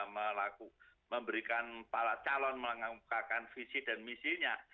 melakukan memberikan para calon melakukan visi dan misinya